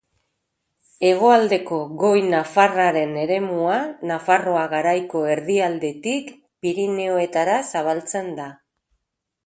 Hegoaldeko goi-nafarreraren eremua Nafarroa Garaiko erdialdetik Pirinioetara zabaltzen da.